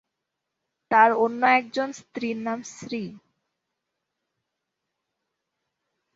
তার অন্য একজন স্ত্রীর নাম ‘শ্রী’।